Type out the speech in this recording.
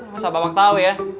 masa pak pak tau ya